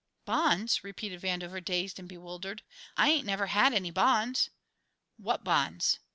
"Bonds?" repeated Vandover, dazed and bewildered. "I ain't never had any bonds. What bonds?